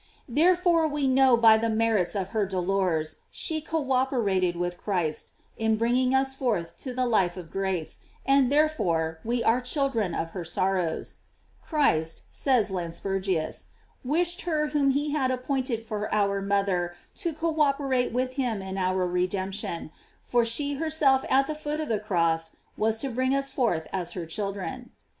Therefore we know thai by the merits of her dolors she co operated with Christ in bringing us forth to the life of grace, and there fore we are children of her sorrows: Christ, says Lanspergius, wished her whom he had appointed for our mother to co operate with him in our re demption; for she herself at the foot of the cross was to bring us forth as her children.!